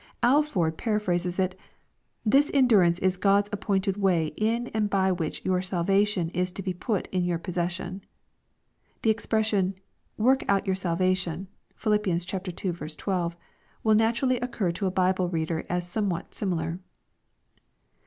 Alford para phrases it, " This endurance is God's appointed way in and by which your salvation is to be put in your possession." The ex pression " Work out your own salvation," (Phil. ii. 12.) will natu rally occur to a Bible reader as somewhat similar.